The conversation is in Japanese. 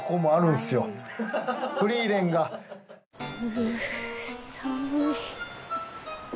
う寒い。